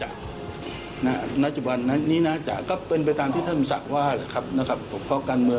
ได้แล้วนะโอเค